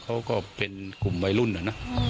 ก็เป็นกลุ่มวัยรุ่นอะนะ